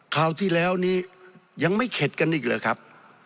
คราวที่แล้วนี้ยังไม่เข็ดกันอีกเหรอครับ